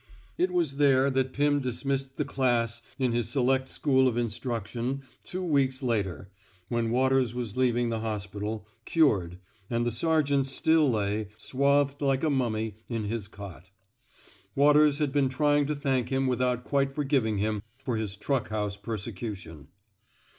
It was there that Pim dismissed the class in his select school of instruction two weeks later, when Waters was leaving the hospital, cured, and the sergeant still lay, swathed like a mummy, in his cot. Waters had been trying to thank him without quite forgiving him for his truck house persecution.